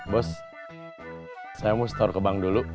bos saya mau store ke bank dulu